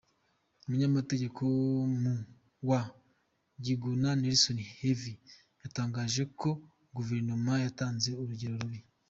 Umuyamategeko wa Miguna, Nelson Havi, yatangaje ko Guverinoma yatanze urugero rubi.